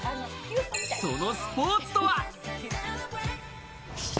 そのスポーツとは？